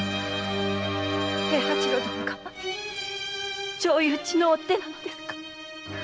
平八郎殿が上意討ちの追手なのですか？